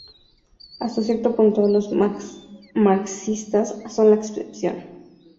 Hasta cierto punto, los marxistas son la excepción.